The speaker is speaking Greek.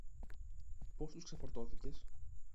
Πώς τους ξεφορτώθηκες;